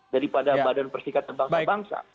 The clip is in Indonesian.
daripada badan perserikatan bangsa bangsa